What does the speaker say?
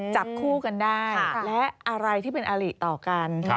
จับคู่กันได้และอะไรที่เป็นอลิต่อกัน